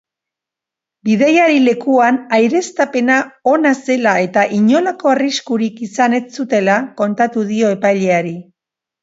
Bidaiari-lekuan aireztapena ona zela eta inolako arriskurik izan ez zutela kontatu dio epaileari.